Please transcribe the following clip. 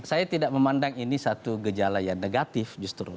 saya tidak memandang ini satu gejala yang negatif justru